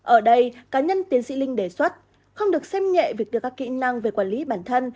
ở đây cá nhân tiến sĩ linh đề xuất không được xem nhẹ việc đưa các kỹ năng về quản lý bản thân